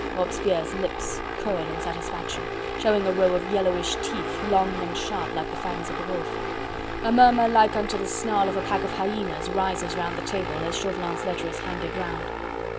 Robespierre's lips curl in satisfaction, showing a row of yellowish teeth, long and sharp like the fangs of a wolf. A murmur like unto the snarl of a pack of hyenas rises round the table, as Chauvelin's letter is handed round.